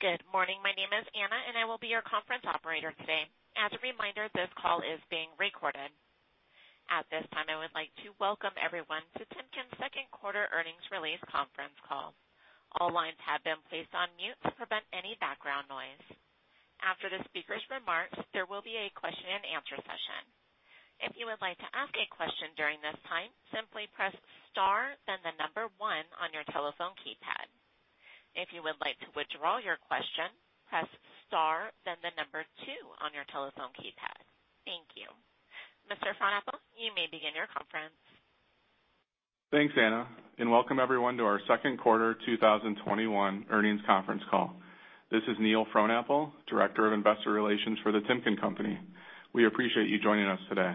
Good morning. My name is Anna, and I will be your conference operator today. As a reminder, this call is being recorded. At this time, I would like to welcome everyone to Timken's Q2 Earnings Release Conference Call. All lines have been placed on mute to prevent any background noise. After the speakers' remarks, there will be a question and answer session. If you would like to ask a question during this time, simply press star then the number one on your telephone keypad. If you would like to withdraw your question, press star then the number two on your telephone keypad. Thank you. Mr. Frohnapple, you may begin your conference. Thanks, Anna, and welcome everyone to our Q2 2021 Earnings Conference Call. This is Neil Frohnapple, Director of Investor Relations for The Timken Company. We appreciate you joining us today.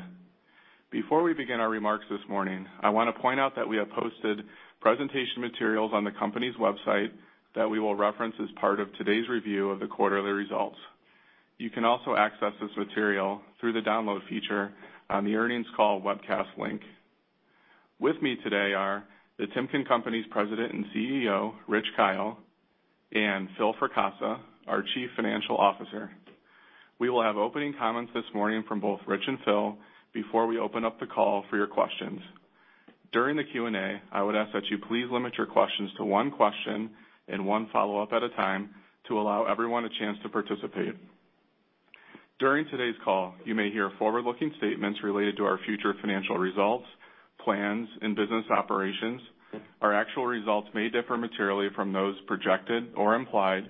Before we begin our remarks this morning, I want to point out that we have posted presentation materials on the company's website that we will reference as part of today's review of the quarterly results. You can also access this material through the Download feature on the earnings call webcast link. With me today are The Timken Company's President and CEO, Rich Kyle, and Phil Fracassa, our Chief Financial Officer. We will have opening comments this morning from both Rich and Phil before we open up the call for your questions. During the Q&A, I would ask that you please limit your questions to one question and one follow-up at a time to allow everyone a chance to participate. During today's call, you may hear forward-looking statements related to our future financial results, plans, and business operations. Our actual results may differ materially from those projected or implied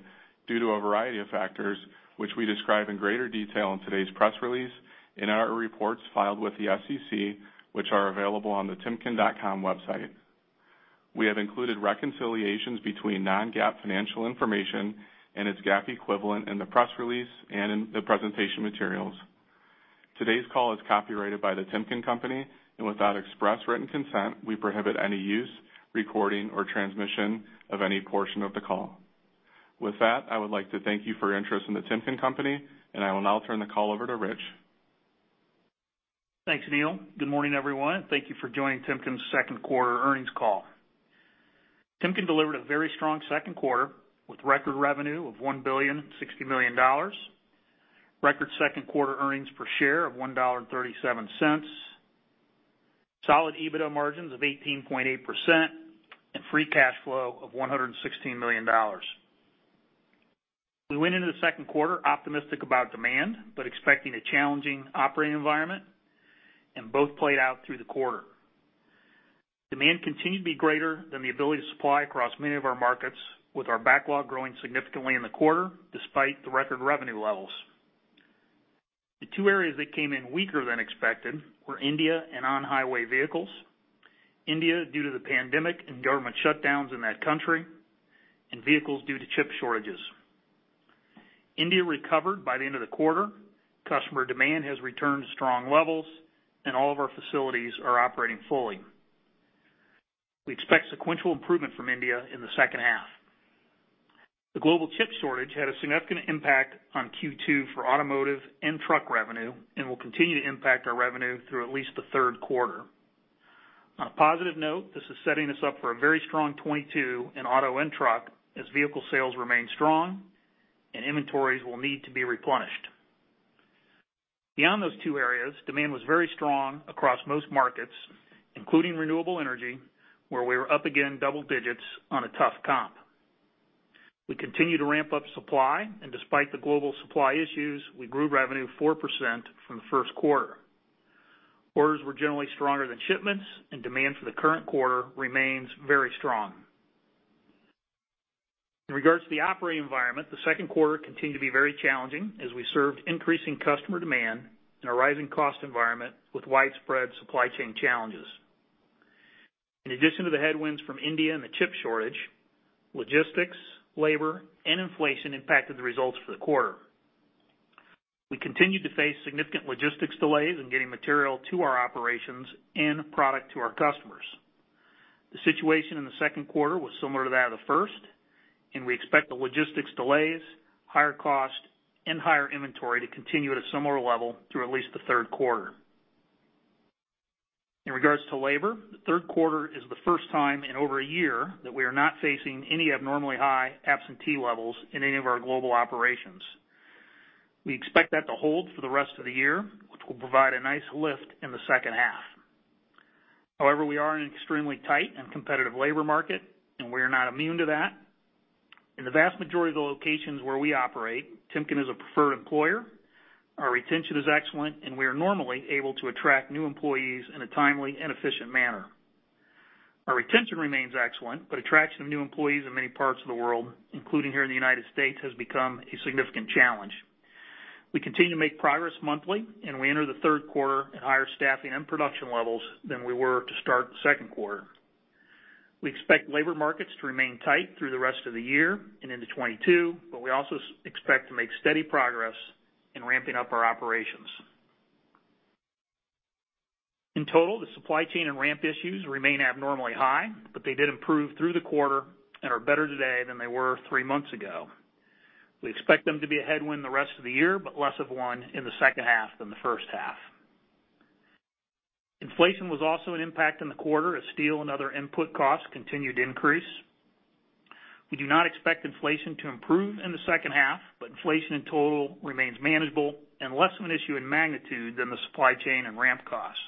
due to a variety of factors, which we describe in greater detail in today's press release, in our reports filed with the SEC, which are available on the timken.com website. We have included reconciliations between non-GAAP financial information and its GAAP equivalent in the press release and in the presentation materials. Today's call is copyrighted by The Timken Company, and without express written consent, we prohibit any use, recording, or transmission of any portion of the call. With that, I would like to thank you for your interest in The Timken Company, and I will now turn the call over to Rich. Thanks, Neil. Good morning, everyone. Thank you for joining Timken's Q2 Earnings Call. Timken delivered a very strong Q2 with record revenue of $1.06 billion, record Q2 earnings per share of $1.37, solid EBITDA margins of 18.8%, and free cash flow of $116 million. We went into the Q2 optimistic about demand, but expecting a challenging operating environment, and both played out through the quarter. Demand continued to be greater than the ability to supply across many of our markets, with our backlog growing significantly in the quarter despite the record revenue levels. The two areas that came in weaker than expected were India and on-highway vehicles, India due to the pandemic and government shutdowns in that country, and vehicles due to chip shortages. India recovered by the end of the quarter. Customer demand has returned to strong levels, and all of our facilities are operating fully. We expect sequential improvement from India in the second half. The global chip shortage had a significant impact on Q2 for automotive and truck revenue and will continue to impact our revenue through at least the Q3. On a positive note, this is setting us up for a very strong 2022 in auto and truck as vehicle sales remain strong and inventories will need to be replenished. Beyond those two areas, demand was very strong across most markets, including renewable energy, where we were up again double digits on a tough comp. We continue to ramp up supply, and despite the global supply issues, we grew revenue 4% from the Q1. Orders were generally stronger than shipments, and demand for the current quarter remains very strong. In regards to the operating environment, the Q2 continued to be very challenging as we served increasing customer demand in a rising cost environment with widespread supply chain challenges. In addition to the headwinds from India and the chip shortage, logistics, labor, and inflation impacted the results for the quarter. We continued to face significant logistics delays in getting material to our operations and product to our customers. The situation in the Q2 was similar to that of the Q1, and we expect the logistics delays, higher cost, and higher inventory to continue at a similar level through at least the Q3. In regards to labor, the Q3 is the first time in over a year that we are not facing any abnormally high absentee levels in any of our global operations. We expect that to hold for the rest of the year, which will provide a nice lift in the second half. We are in an extremely tight and competitive labor market, and we are not immune to that. In the vast majority of the locations where we operate, Timken is a preferred employer. Our retention is excellent, and we are normally able to attract new employees in a timely and efficient manner. Our retention remains excellent, but attraction of new employees in many parts of the world, including here in the United States, has become a significant challenge. We continue to make progress monthly, and we enter the Q3 at higher staffing and production levels than we were to start the Q2. We expect labor markets to remain tight through the rest of the year and into 2022. We also expect to make steady progress in ramping up our operations. In total, the supply chain and ramp issues remain abnormally high. They did improve through the quarter and are better today than they were three months ago. We expect them to be a headwind the rest of the year. Less of one in the second half than the first half. Inflation was also an impact in the quarter as steel and other input costs continued to increase. We do not expect inflation to improve in the second half. Inflation in total remains manageable and less of an issue in magnitude than the supply chain and ramp costs.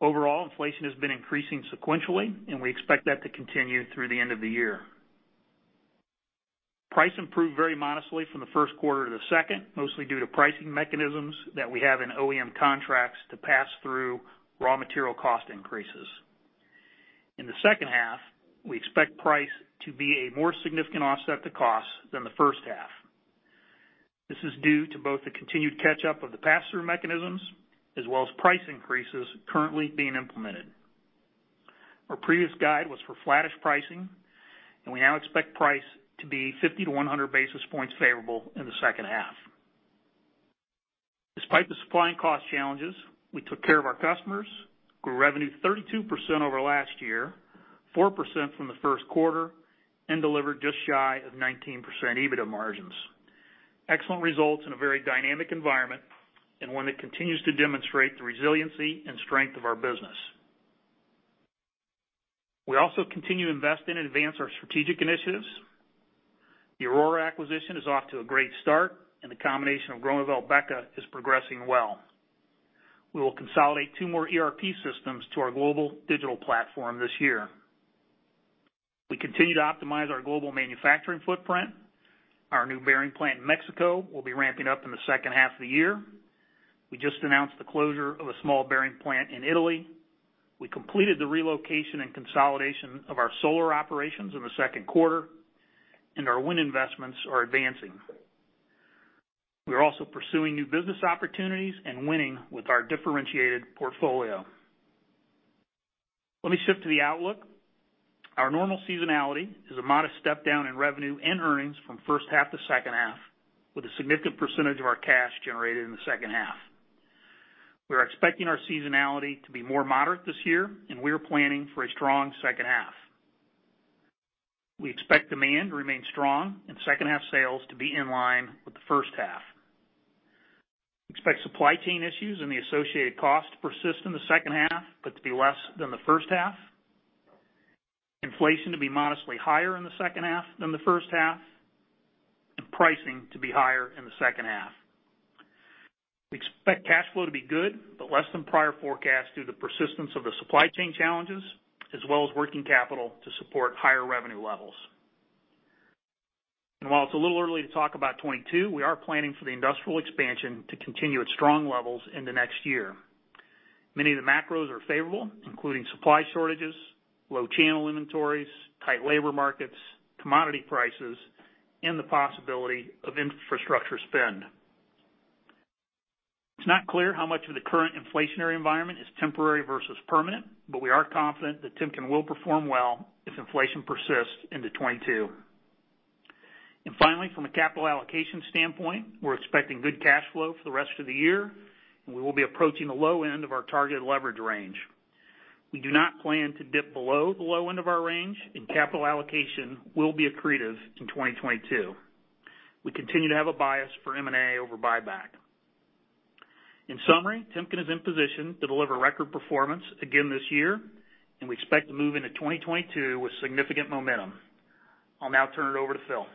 Overall, inflation has been increasing sequentially. We expect that to continue through the end of the year. Price improved very modestly from the Q1 to the Q2, mostly due to pricing mechanisms that we have in OEM contracts to pass through raw material cost increases. In the second half, we expect price to be a more significant offset to costs than the first half. This is due to both the continued catch-up of the pass-through mechanisms as well as price increases currently being implemented. Our previous guide was for flattish pricing, and we now expect price to be 50-100 basis points favorable in the second half. Despite the supply and cost challenges, we took care of our customers, grew revenue 32% over last year, 4% from the Q1, and delivered just shy of 19% EBITDA margins. Excellent results in a very dynamic environment and one that continues to demonstrate the resiliency and strength of our business. We also continue to invest in and advance our strategic initiatives. The Aurora acquisition is off to a great start, and the combination of Groeneveld-BEKA is progressing well. We will consolidate two more ERP systems to our global digital platform this year. We continue to optimize our global manufacturing footprint. Our new bearing plant in Mexico will be ramping up in the second half of the year. We just announced the closure of a small bearing plant in Italy. We completed the relocation and consolidation of our solar operations in the Q2, and our wind investments are advancing. We are also pursuing new business opportunities and winning with our differentiated portfolio. Let me shift to the outlook. Our normal seasonality is a modest step down in revenue and earnings from first half to second half, with a significant percentage of our cash generated in the second half. We are expecting our seasonality to be more moderate this year, and we are planning for a strong second half. We expect demand to remain strong and second half sales to be in line with the first half. Expect supply chain issues and the associated cost to persist in the second half, but to be less than the first half. Inflation to be modestly higher in the second half than the first half, and pricing to be higher in the second half. We expect cash flow to be good, but less than prior forecasts due to persistence of the supply chain challenges, as well as working capital to support higher revenue levels. While it's a little early to talk about 2022, we are planning for the industrial expansion to continue at strong levels into next year. Many of the macros are favorable, including supply shortages, low channel inventories, tight labor markets, commodity prices, and the possibility of infrastructure spend. It's not clear how much of the current inflationary environment is temporary versus permanent, but we are confident that Timken will perform well if inflation persists into 2022. Finally, from a capital allocation standpoint, we're expecting good cash flow for the rest of the year, and we will be approaching the low end of our targeted leverage range. We do not plan to dip below the low end of our range and capital allocation will be accretive in 2022. We continue to have a bias for M&A over buyback. In summary, Timken is in position to deliver record performance again this year, and we expect to move into 2022 with significant momentum. I'll now turn it over to Phil.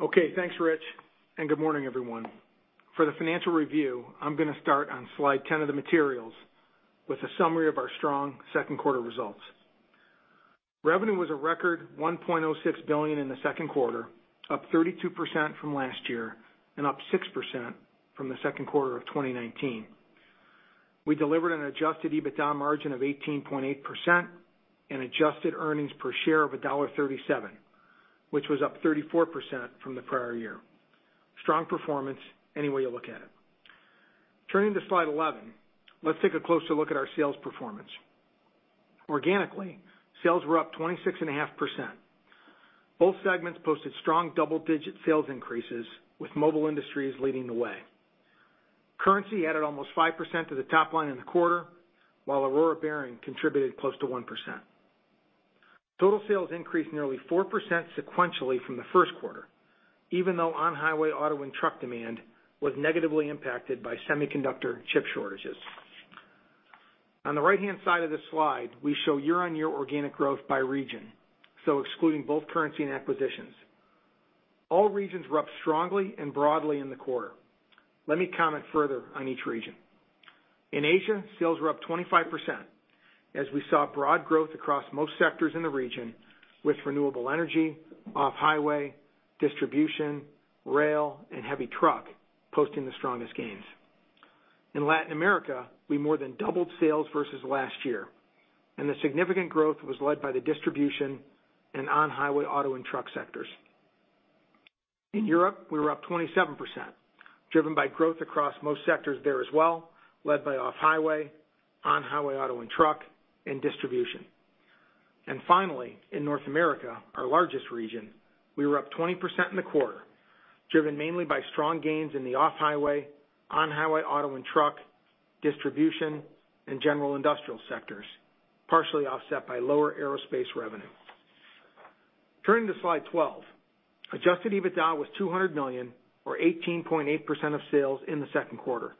Okay, thanks, Rich, and good morning, everyone. For the financial review, I'm going to start on slide 10 of the materials with a summary of our strong Q2 results. Revenue was a record $1.06 billion in the Q2, up 32% from last year and up 6% from the Q2 of 2019. We delivered an Adjusted EBITDA margin of 18.8% and adjusted earnings per share of $1.37, which was up 34% from the prior year. Strong performance any way you look at it. Turning to slide 11, let's take a closer look at our sales performance. Organically, sales were up 26.5%. Both segments posted strong double-digit sales increases with Mobile Industries leading the way. Currency added almost 5% to the top line in the quarter, while Aurora Bearing contributed close to 1%. Total sales increased nearly 4% sequentially from the Q1, even though on-highway auto and truck demand was negatively impacted by semiconductor chip shortages. On the right-hand side of this slide, we show year-on-year organic growth by region, so excluding both currency and acquisitions. All regions were up strongly and broadly in the quarter. Let me comment further on each region. In Asia, sales were up 25% as we saw broad growth across most sectors in the region with renewable energy, off highway, distribution, rail, and heavy truck posting the strongest gains. In Latin America, we more than doubled sales versus last year, and the significant growth was led by the distribution and on-highway auto and truck sectors. In Europe, we were up 27%, driven by growth across most sectors there as well, led by off highway, on-highway auto and truck, and distribution. Finally, in North America, our largest region, we were up 20% in the quarter, driven mainly by strong gains in the off highway, on-highway auto and truck, distribution, and general industrial sectors, partially offset by lower aerospace revenue. Turning to slide 12, Adjusted EBITDA was $200 million, or 18.8% of sales in the Q2,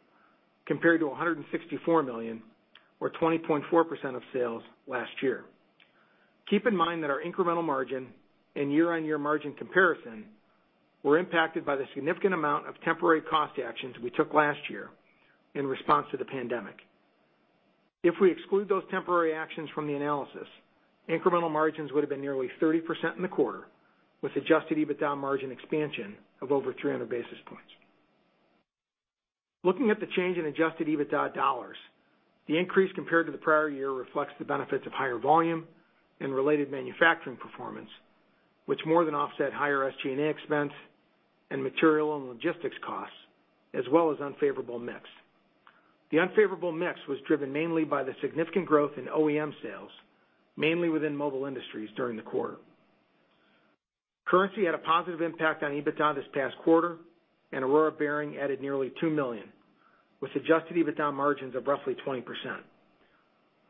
compared to $164 million, or 20.4% of sales last year. Keep in mind that our incremental margin and year-on-year margin comparison were impacted by the significant amount of temporary cost actions we took last year in response to the pandemic. If we exclude those temporary actions from the analysis, incremental margins would have been nearly 30% in the quarter, with Adjusted EBITDA margin expansion of over 300 basis points. Looking at the change in Adjusted EBITDA dollars, the increase compared to the prior year reflects the benefits of higher volume and related manufacturing performance, which more than offset higher SG&A expense and material and logistics costs, as well as unfavorable mix. The unfavorable mix was driven mainly by the significant growth in OEM sales, mainly within Mobile Industries during the quarter. Currency had a positive impact on EBITDA this past quarter, and Aurora Bearing added nearly $2 million, with Adjusted EBITDA margins of roughly 20%.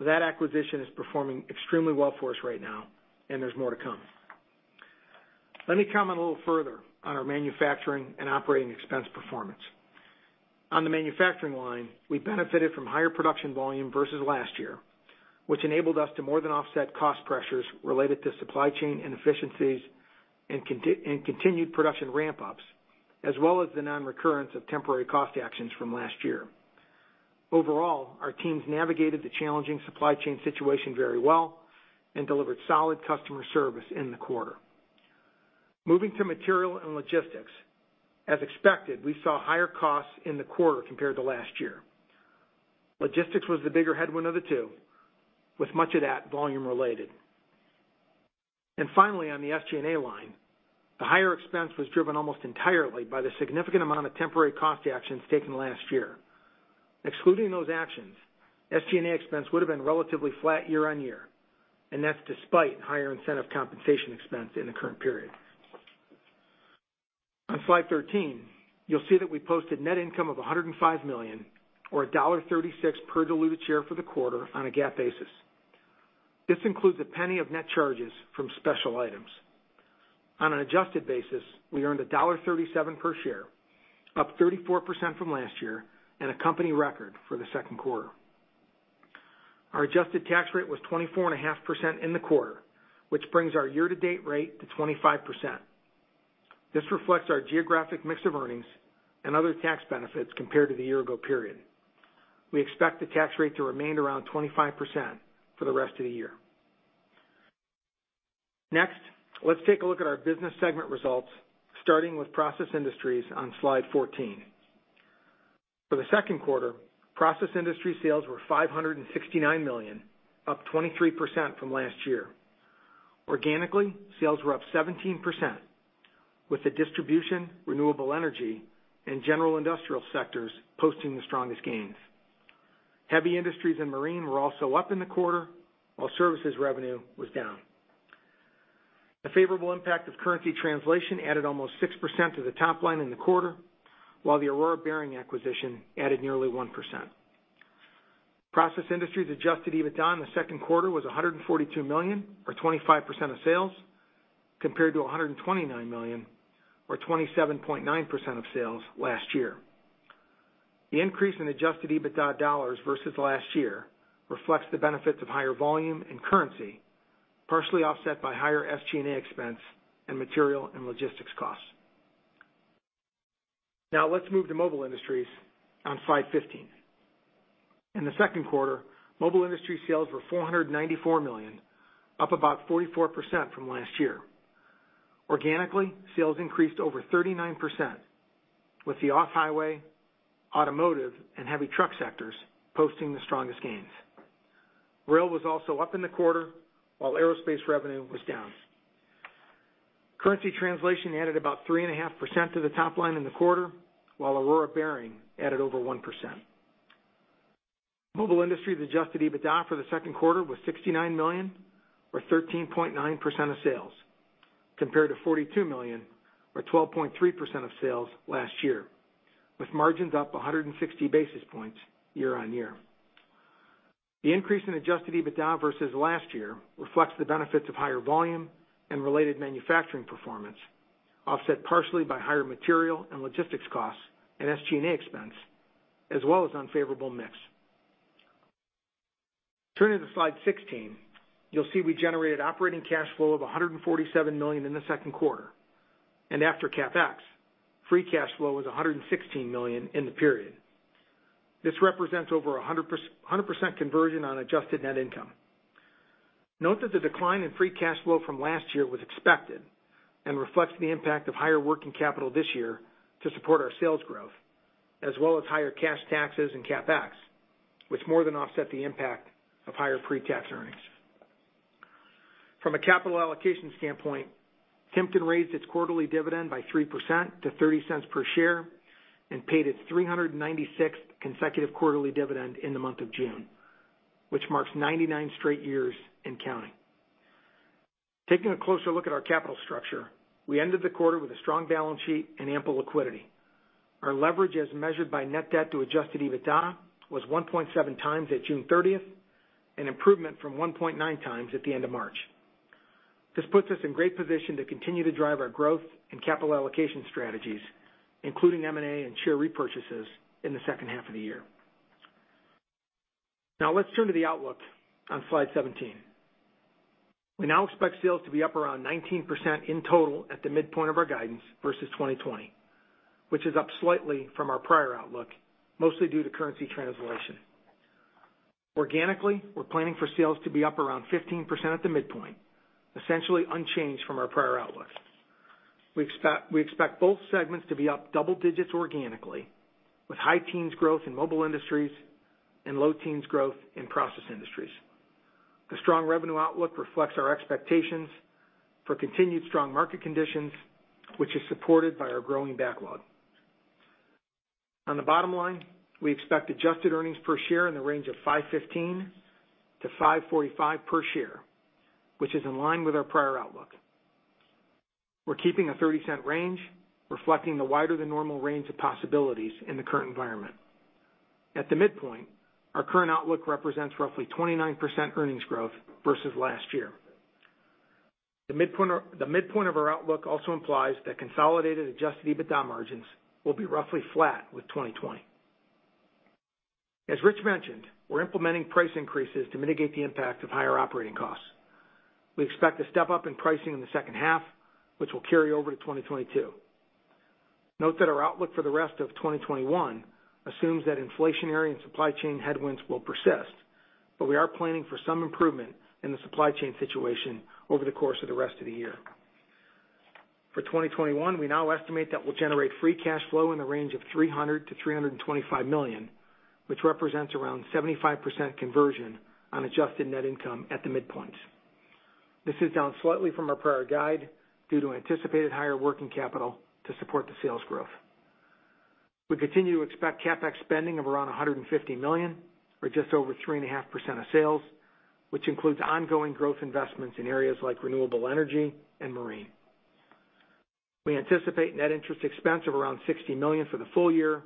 That acquisition is performing extremely well for us right now, and there's more to come. Let me comment a little further on our manufacturing and operating expense performance. On the manufacturing line, we benefited from higher production volume versus last year, which enabled us to more than offset cost pressures related to supply chain inefficiencies and continued production ramp-ups, as well as the non-recurrence of temporary cost actions from last year. Overall, our teams navigated the challenging supply chain situation very well and delivered solid customer service in the quarter. Moving to material and logistics, as expected, we saw higher costs in the quarter compared to last year. Logistics was the bigger headwind of the two, with much of that volume-related. Finally, on the SG&A line, the higher expense was driven almost entirely by the significant amount of temporary cost actions taken last year. Excluding those actions, SG&A expense would have been relatively flat year-on-year, and that's despite higher incentive compensation expense in the current period. On slide 13, you'll see that we posted net income of $105 million or $1.36 per diluted share for the quarter on a GAAP basis. This includes $0.01 of net charges from special items. On an adjusted basis, we earned $1.37 per share, up 34% from last year and a company record for the Q2. Our adjusted tax rate was 24.5% in the quarter, which brings our year-to-date rate to 25%. This reflects our geographic mix of earnings and other tax benefits compared to the year-ago period. We expect the tax rate to remain around 25% for the rest of the year. Next, let's take a look at our business segment results, starting with Process Industries on slide 14. For the Q2, Process Industries sales were $569 million, up 23% from last year. Organically, sales were up 17%, with the distribution, renewable energy, and general industrial sectors posting the strongest gains. Heavy industries and marine were also up in the quarter, while services revenue was down. The favorable impact of currency translation added almost 6% to the top line in the quarter, while the Aurora Bearing acquisition added nearly 1%. Process Industries Adjusted EBITDA in the Q2 was $142 million, or 25% of sales, compared to $129 million, or 27.9% of sales last year. The increase in Adjusted EBITDA dollars versus last year reflects the benefits of higher volume and currency, partially offset by higher SG&A expense and material and logistics costs. Let's move to Mobile Industries on slide 15. In the Q2, Mobile Industries sales were $494 million, up about 44% from last year. Organically, sales increased over 39%, with the off-highway, automotive, and heavy truck sectors posting the strongest gains. Rail was also up in the quarter, while aerospace revenue was down. Currency translation added about 3.5% to the top line in the quarter, while Aurora Bearing added over 1%. Mobile Industries Adjusted EBITDA for the Q2 was $69 million, or 13.9% of sales, compared to $42 million, or 12.3% of sales last year, with margins up 160 basis points year-on-year. The increase in Adjusted EBITDA versus last year reflects the benefits of higher volume and related manufacturing performance, offset partially by higher material and logistics costs and SG&A expense, as well as unfavorable mix. Turning to slide 16, you'll see we generated operating cash flow of $147 million in the Q2, and after CapEx, free cash flow was $116 million in the period. This represents over 100% conversion on adjusted net income. Note that the decline in free cash flow from last year was expected and reflects the impact of higher working capital this year to support our sales growth, as well as higher cash taxes and CapEx, which more than offset the impact of higher pre-tax earnings. From a capital allocation standpoint, Timken raised its quarterly dividend by 3% to $0.30 per share and paid its 396th consecutive quarterly dividend in the month of June, which marks 99 straight years and counting. Taking a closer look at our capital structure, we ended the quarter with a strong balance sheet and ample liquidity. Our leverage as measured by net debt to Adjusted EBITDA was 1.7x at June 30th, an improvement from 1.9x at the end of March. This puts us in great position to continue to drive our growth and capital allocation strategies, including M&A and share repurchases in the second half of the year. Let's turn to the outlook on slide 17. We now expect sales to be up around 19% in total at the midpoint of our guidance versus 2020, which is up slightly from our prior outlook, mostly due to currency translation. Organically, we're planning for sales to be up around 15% at the midpoint, essentially unchanged from our prior outlook. We expect both segments to be up double digits organically with high teens growth in Mobile Industries and low teens growth in Process Industries. The strong revenue outlook reflects our expectations for continued strong market conditions, which is supported by our growing backlog. On the bottom line, we expect adjusted earnings per share in the range of $5.15-$5.45 per share, which is in line with our prior outlook. We're keeping a $0.30 range, reflecting the wider than normal range of possibilities in the current environment. At the midpoint, our current outlook represents roughly 29% earnings growth versus last year. The midpoint of our outlook also implies that consolidated Adjusted EBITDA margins will be roughly flat with 2020. As Rich mentioned, we're implementing price increases to mitigate the impact of higher operating costs. We expect a step-up in pricing in the second half, which will carry over to 2022. Note that our outlook for the rest of 2021 assumes that inflationary and supply chain headwinds will persist, but we are planning for some improvement in the supply chain situation over the course of the rest of the year. For 2021, we now estimate that we'll generate free cash flow in the range of $300 million-$325 million, which represents around 75% conversion on adjusted net income at the midpoint. This is down slightly from our prior guide due to anticipated higher working capital to support the sales growth. We continue to expect CapEx spending of around $150 million, or just over 3.5% of sales, which includes ongoing growth investments in areas like renewable energy and marine. We anticipate net interest expense of around $60 million for the full year,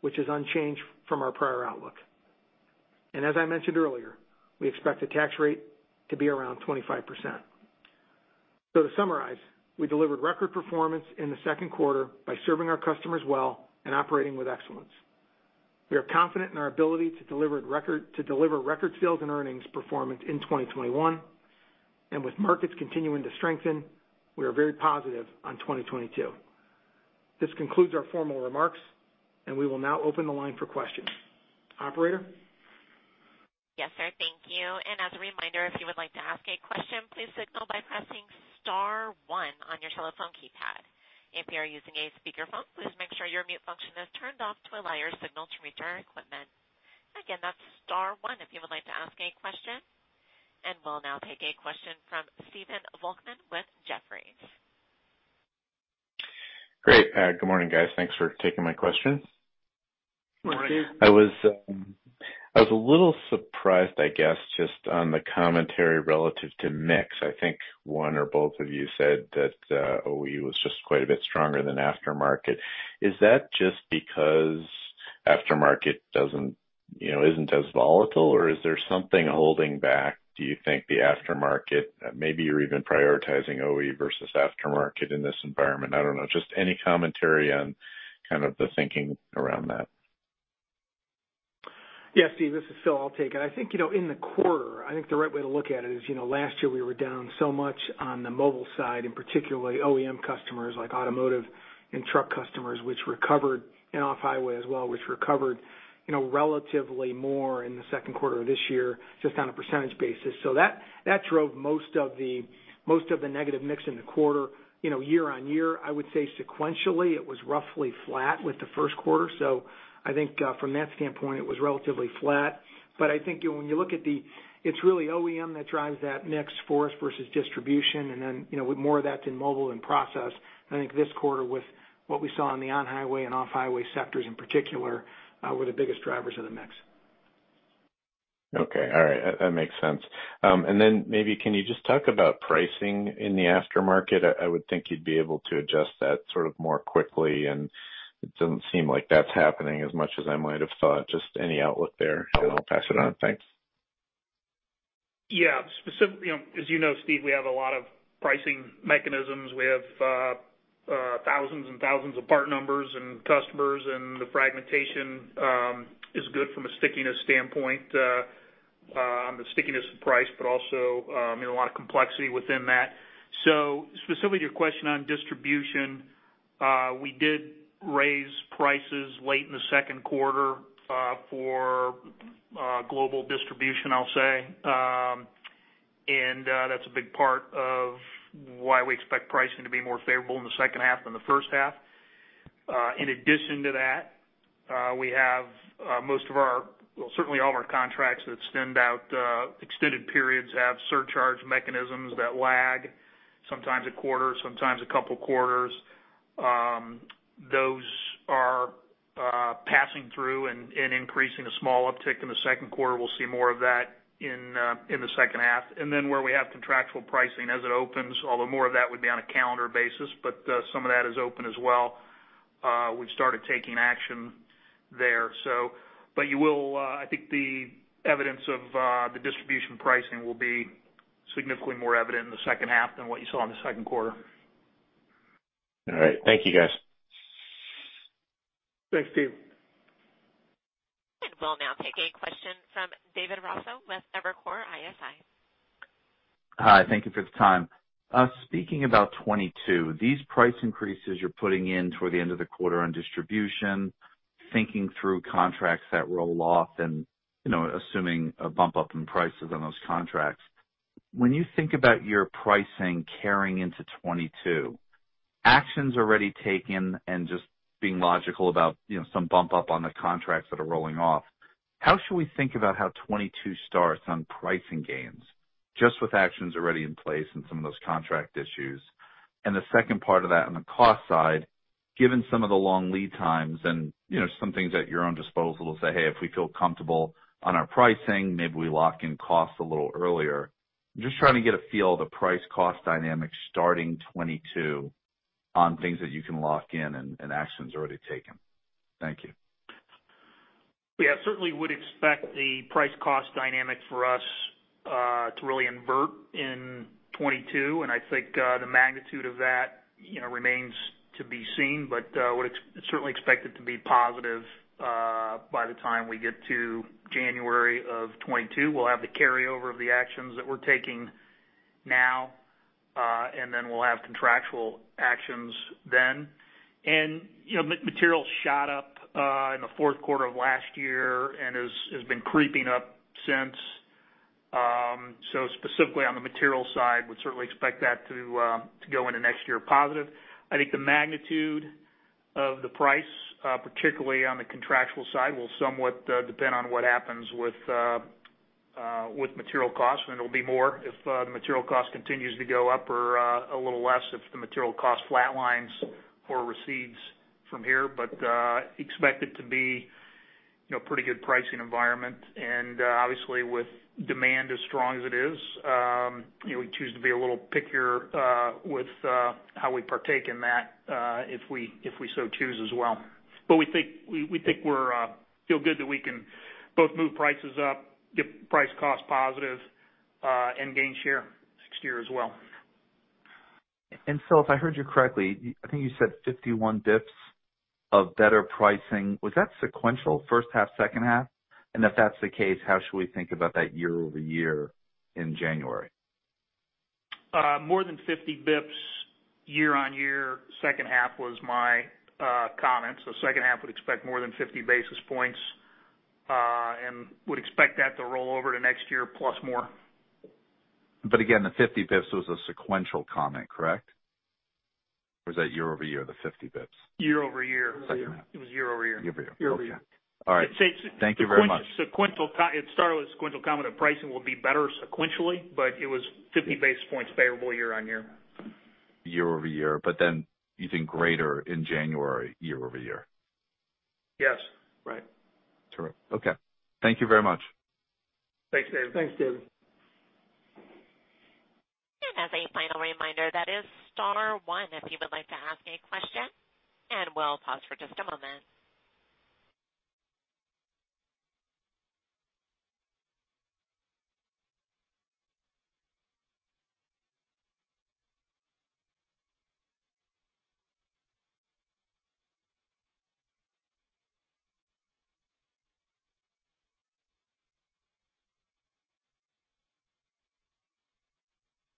which is unchanged from our prior outlook. As I mentioned earlier, we expect the tax rate to be around 25%. To summarize, we delivered record performance in the Q2 by serving our customers well and operating with excellence. We are confident in our ability to deliver record sales and earnings performance in 2021. With markets continuing to strengthen, we are very positive on 2022. This concludes our formal remarks, and we will now open the line for questions. Operator? Yes, sir. Thank you. As a reminder, if you would like to ask a question, please signal by pressing star one on your telephone keypad. If you are using a speakerphone, please make sure your mute function is turned off to allow your signal to reach our equipment. Again, that's star one if you would like to ask a question. We'll now take a question from Stephen Volkmann with Jefferies. Great. Good morning, guys. Thanks for taking my questions. Good morning. I was a little surprised, I guess, just on the commentary relative to mix. I think one or both of you said that OE was just quite a bit stronger than aftermarket. Is that just because aftermarket isn't as volatile, or is there something holding back, do you think, the aftermarket? Maybe you're even prioritizing OE versus aftermarket in this environment. I don't know. Just any commentary on kind of the thinking around that. Yeah, Steve, this is Phil. I'll take it. I think in the quarter, I think the right way to look at it is last year we were down so much on the Mobile side, and particularly OEM customers like automotive and truck customers, and off-highway as well, which recovered relatively more in the Q2 of this year, just on a percentage basis. That drove most of the negative mix in the quarter year-on-year. I would say sequentially, it was roughly flat with the Q1. I think from that standpoint, it was relatively flat. I think when you look at it's really OEM that drives that mix for us versus distribution, and then with more of that's in Mobile and Process. I think this quarter with what we saw in the on-highway and off-highway sectors in particular, were the biggest drivers of the mix. Okay. All right. That makes sense. Then maybe can you just talk about pricing in the aftermarket? I would think you'd be able to adjust that more quickly. It doesn't seem like that's happening as much as I might have thought. Just any outlook there. I'll pass it on. Thanks. Yeah. As you know, Steve, we have a lot of pricing mechanisms. We have thousands and thousands of part numbers and customers, and the fragmentation is good from a stickiness standpoint on the stickiness of price, but also a lot of complexity within that. Specifically to your question on distribution, we did raise prices late in the Q2 for global distribution, I'll say. That's a big part of why we expect pricing to be more favorable in the second half than the first half. In addition to that, we have most of our, well, certainly all of our contracts that extend out extended periods have surcharge mechanisms that lag sometimes a quarter, sometimes a couple quarters. Those are passing through and increasing a small uptick in the Q2. We'll see more of that in the second half. Where we have contractual pricing as it opens, although more of that would be on a calendar basis, but some of that is open as well. We've started taking action There. I think the evidence of the distribution pricing will be significantly more evident in the second half than what you saw in the Q2. All right. Thank you, guys. Thanks, Steve. We'll now take a question from David Raso with Evercore ISI. Hi. Thank you for the time. Speaking about 2022, these price increases you're putting in toward the end of the quarter on distribution, thinking through contracts that roll off and assuming a bump up in prices on those contracts. When you think about your pricing carrying into 2022, actions already taken and just being logical about some bump up on the contracts that are rolling off, how should we think about how 2022 starts on pricing gains, just with actions already in place and some of those contract issues? The second part of that, on the cost side, given some of the long lead times and some things at your own disposal to say, "Hey, if we feel comfortable on our pricing, maybe we lock in costs a little earlier." I'm just trying to get a feel of the price-cost dynamic starting 2022 on things that you can lock in and actions already taken. Thank you. Yeah, certainly would expect the price-cost dynamic for us to really invert in 2022, and I think the magnitude of that remains to be seen. Would certainly expect it to be positive by the time we get to January of 2022. We'll have the carryover of the actions that we're taking now, and then we'll have contractual actions then. Materials shot up in the Q4 of last year and has been creeping up since. Specifically on the material side, would certainly expect that to go into next year positive. I think the magnitude of the price, particularly on the contractual side, will somewhat depend on what happens with material costs. It'll be more if the material cost continues to go up or a little less if the material cost flatlines or recedes from here. Expect it to be pretty good pricing environment, and obviously with demand as strong as it is, we choose to be a little pickier with how we partake in that if we so choose as well. We feel good that we can both move prices up, get price-cost positive, and gain share next year as well. Phil, if I heard you correctly, I think you said 51 basis points of better pricing. Was that sequential, first half, second half? If that's the case, how should we think about that year-over-year in January? More than 50 basis points year-on-year, second half was my comment. Second half would expect more than 50 basis points, and would expect that to roll over to next year, plus more. Again, the 50 basis points was a sequential comment, correct? Or is that year-over-year, the 50 basis points? Year-over-year. Second half. It was year-over-year. Year-over-year. Okay. Year-over-year. All right. Thank you very much. It started with sequential comment of pricing will be better sequentially, but it was 50 basis points favorable year-on-year. Year-over-year, you think greater in January year-over-year. Yes. Right. Okay. Thank you very much. Thanks, David. Thanks, David. As a final reminder, that is star one if you would like to ask a question, and we'll pause for just a moment.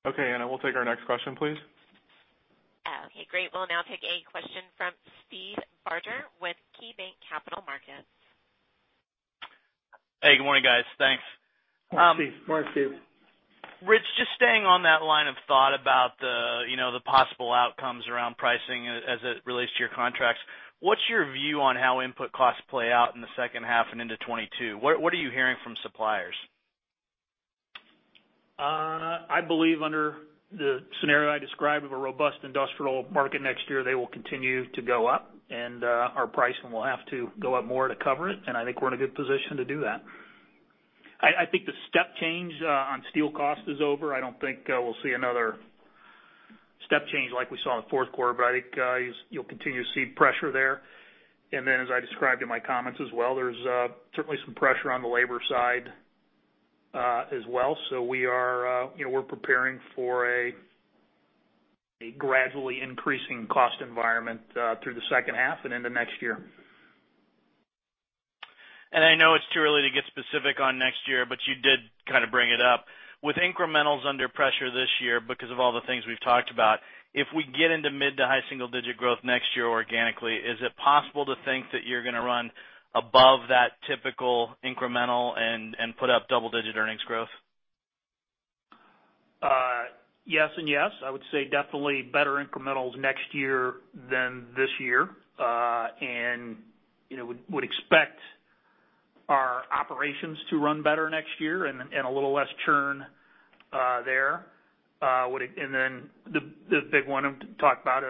Okay, Anna, we'll take our next question, please. Okay, great. We'll now take a question from Steve Barger with KeyBanc Capital Markets. Hey, good morning, guys. Thanks. Hi, Steve. Morning, Steve. Rich, just staying on that line of thought about the possible outcomes around pricing as it relates to your contracts, what's your view on how input costs play out in the second half and into 2022? What are you hearing from suppliers? I believe under the scenario I described of a robust industrial market next year, they will continue to go up, and our pricing will have to go up more to cover it, and I think we're in a good position to do that. I think the step change on steel cost is over. I don't think we'll see another step change like we saw in the Q4, but I think you'll continue to see pressure there. As I described in my comments as well, there's certainly some pressure on the labor side as well. We're preparing for a gradually increasing cost environment through the second half and into next year. I know it's too early to get specific on next year, but you did kind of bring it up. With incrementals under pressure this year because of all the things we've talked about, if we get into mid to high single-digit growth next year organically, is it possible to think that you're going to run above that typical incremental and put up double-digit earnings growth? Yes and yes. I would say definitely better incrementals next year than this year. Would expect our operations to run better next year and a little less churn there. The big one to talk about,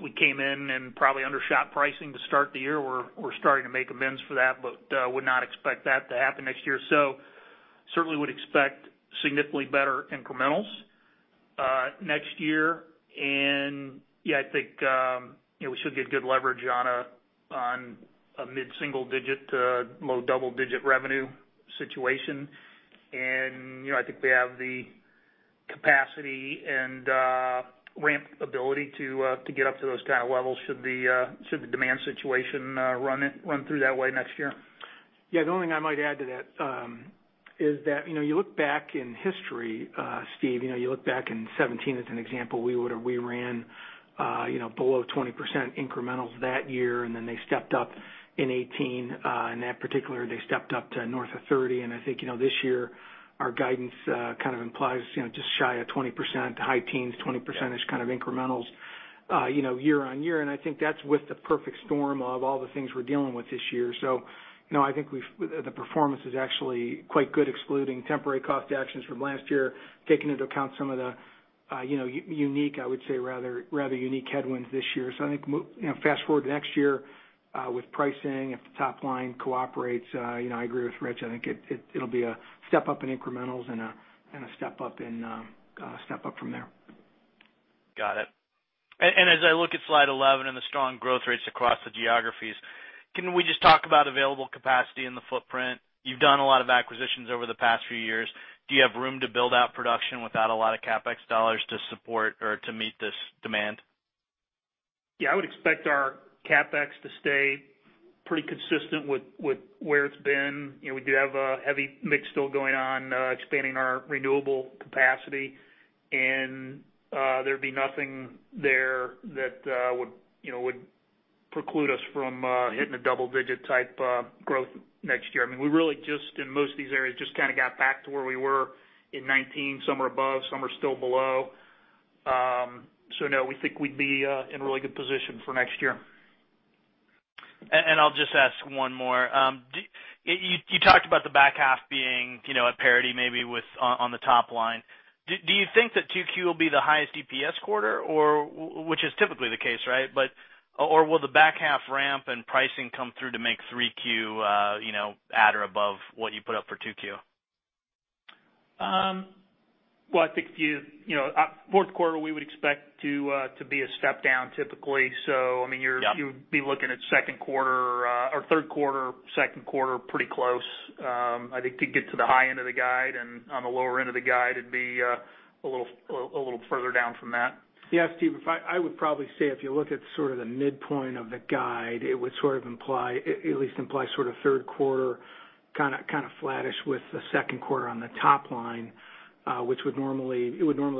we came in and probably undershot pricing to start the year. We're starting to make amends for that, but would not expect that to happen next year. Certainly would expect significantly better incrementals next year. I think we should get good leverage on a mid-single-digit to low-double-digit revenue situation. I think we have the capacity and ramp ability to get up to those kind of levels should the demand situation run through that way next year. Yeah. The only thing I might add to that is that you look back in history, Steve, you look back in 2017 as an example, we ran below 20% incrementals that year, and then they stepped up in 2018. In that particular, they stepped up to north of 30%. I think this year our guidance kind of implies just shy of 20%, high teens, 20% kind of incrementals year-on-year. I think that's with the perfect storm of all the things we're dealing with this year. I think the performance is actually quite good, excluding temporary cost actions from last year, taking into account some of the unique, I would say, rather unique headwinds this year. I think fast-forward to next year with pricing, if the top line cooperates, I agree with Rich. I think it'll be a step up in incrementals and a step up from there. Got it. As I look at slide 11 and the strong growth rates across the geographies, can we just talk about available capacity in the footprint? You've done a lot of acquisitions over the past few years. Do you have room to build out production without a lot of CapEx dollars to support or to meet this demand? Yeah, I would expect our CapEx to stay pretty consistent with where it's been. We do have a heavy mix still going on expanding our renewable capacity. There'd be nothing there that would preclude us from hitting a double-digit type growth next year. We really just, in most of these areas, just kind of got back to where we were in 2019. Some are above, some are still below. No, we think we'd be in a really good position for next year. I'll just ask one more. You talked about the back half being at parity maybe on the top line. Do you think that 2Q will be the highest EPS quarter? Which is typically the case, right? Will the back half ramp and pricing come through to make 3Q at or above what you put up for 2Q? Well, I think Q4 we would expect to be a step down typically. You'd be looking at Q2 or Q3, Q2, pretty close. I think could get to the high end of the guide, and on the lower end of the guide, it'd be a little further down from that. Steve, I would probably say if you look at sort of the midpoint of the guide, it at least implies sort of Q3 kind of flattish with the Q2 on the top line. Which it would normally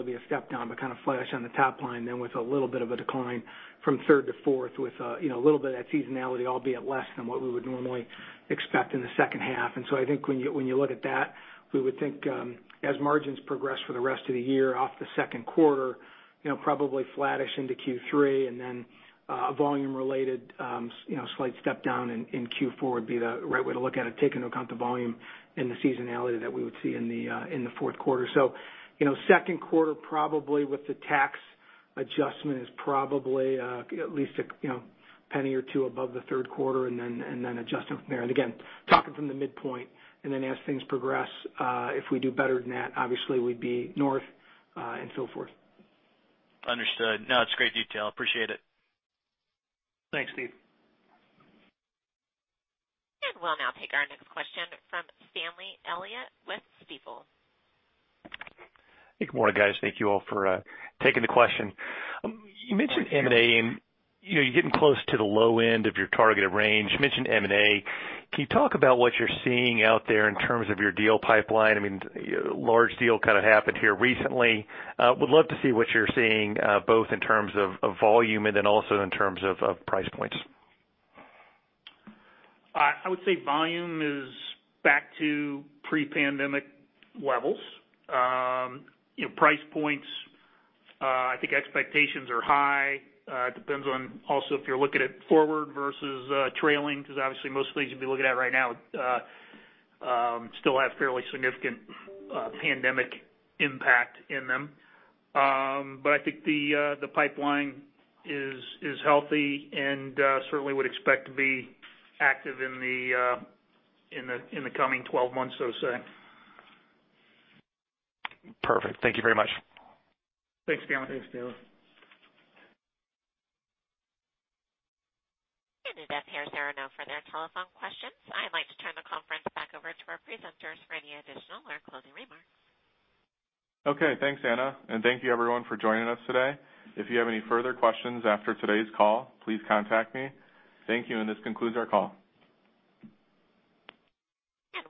be a step down, but kind of flattish on the top line then with a little bit of a decline from Q3 to Q4 with a little bit of that seasonality, albeit less than what we would normally expect in the second half. So I think when you look at that, we would think as margins progress for the rest of the year off the Q2, probably flattish into Q3, and then a volume related slight step down in Q4 would be the right way to look at it, taking into account the volume and the seasonality that we would see in the Q4. so Q2 probably with the tax adjustment is probably at least $0.01 or $0.02 above the Q3 and then adjustment from there. again, talking from the midpoint, and then as things progress, if we do better than that, obviously we'd be north and so forth. Understood. It's great detail. Appreciate it. Thanks, Steve. We'll now take our next question from Stanley Elliott with Stifel. Good morning, guys. Thank you all for taking the question. You're getting close to the low end of your targeted range. You mentioned M&A. Can you talk about what you're seeing out there in terms of your deal pipeline? A large deal kind of happened here recently. Would love to see what you're seeing both in terms of volume and then also in terms of price points. I would say volume is back to pre-pandemic levels. Price points, I think expectations are high. It depends on also if you're looking at forward versus trailing, because obviously most of the things you'll be looking at right now still have fairly significant pandemic impact in them. I think the pipeline is healthy and certainly would expect to be active in the coming 12 months, so to say. Perfect. Thank you very much. Thanks, Stanley. Thanks, Stanley. With that, there are no further telephone questions. I'd like to turn the conference back over to our presenters for any additional or closing remarks. Okay, thanks, Anna, and thank you everyone for joining us today. If you have any further questions after today's call, please contact me. Thank you, and this concludes our call.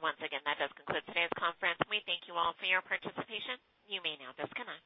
Once again, that does conclude today's conference. We thank you all for your participation. You may now disconnect.